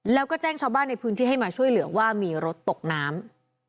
แล้วก็แจ้งชาวบ้านในพื้นที่ให้มาช่วยเหลือว่ามีรถตกน้ำ